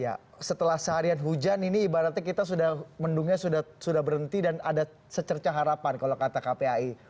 ya setelah seharian hujan ini ibaratnya kita sudah mendungnya sudah berhenti dan ada secerca harapan kalau kata kpai